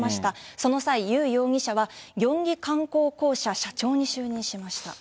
その際ユ容疑者はキョンギ観光公社社長に就任しました。